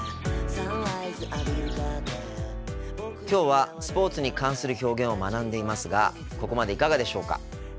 今日はスポーツに関する表現を学んでいますがここまでいかがでしょうか？